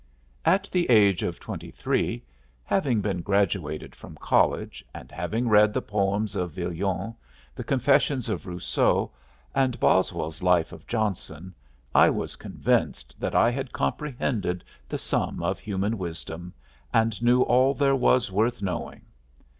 '" At the age of twenty three, having been graduated from college and having read the poems of Villon, the confessions of Rousseau, and Boswell's life of Johnson, I was convinced that I had comprehended the sum of human wisdom and knew all there was worth knowing.